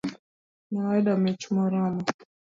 Ne wayudo mich moromo.